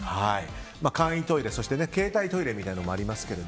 簡易トイレ、そして携帯トイレみたいなものもありますが。